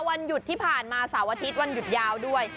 วันหยุดที่ผ่านมาเสาร์อาทิตย์วันหยุดยาวด้วย